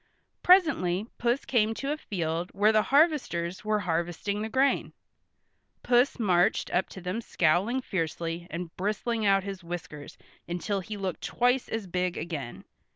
Presently Puss came to a field where the harvesters were harvesting the grain. Puss marched up to them scowling fiercely and bristling out his whiskers until he looked twice as big again.